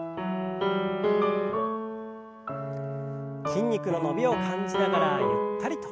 筋肉の伸びを感じながらゆったりと。